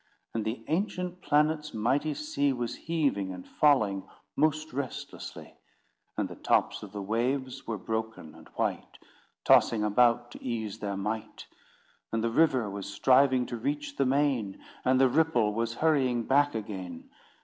And the ancient planet's mighty sea Was heaving and falling most restlessly, And the tops of the waves were broken and white, Tossing about to ease their might; And the river was striving to reach the main, And the ripple was hurrying back again.